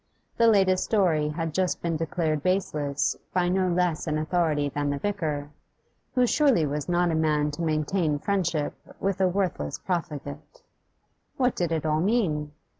The latest story had just been declared baseless by no less an authority than the vicar, who surely was not a man to maintain friendship with a worthless profligate. What did it all mean?